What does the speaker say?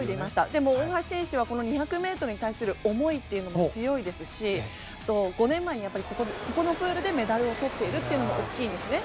でも、大橋選手は２００ｍに対する思いが強いですし５年前にここのプールでメダルをとっているというのが大きいですね。